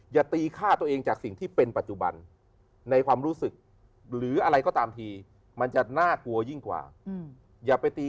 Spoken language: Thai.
อย่าตีฆ่าตัวเองจากสิ่งที่เป็นปัจจุบันในความรู้สึกหรืออะไรก็ตามที